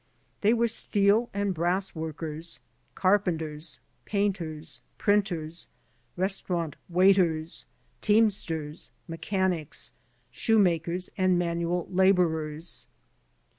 They were steel and brass workers, carpenters, painters, printers, restaurant waiters, teamsters, mechanics, shoemakers and manual laborers.